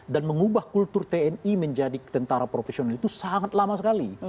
dan mengubah kultur tni menjadi tentara profesional itu sangat lama sekali